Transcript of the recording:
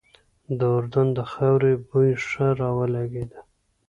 د اردن د خاورې بوی ښه را ولګېده.